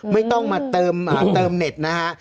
ไม่ต้องมาเติมเน็ตนะฮะ